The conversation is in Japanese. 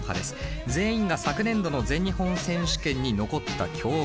全員が昨年度の全日本選手権に残った強豪。